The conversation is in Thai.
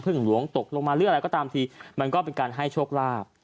หลวงตกลงมาหรืออะไรก็ตามทีมันก็เป็นการให้โชคลาภ